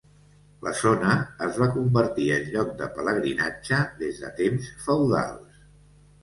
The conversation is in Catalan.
La zona es va convertir en lloc de pelegrinatge des de temps feudals.